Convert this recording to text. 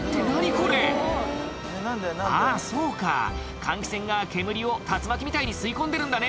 これあぁそうか換気扇が煙を竜巻みたいに吸い込んでるんだね